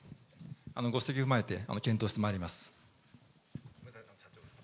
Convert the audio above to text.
ご指摘を踏まえて、検討してまいります。